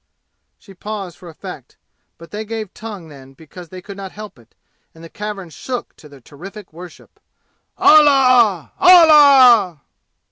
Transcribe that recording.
She paused, for effect; but they gave tongue then because they could not help it, and the cavern shook to their terrific worship. "Allah! Allah!"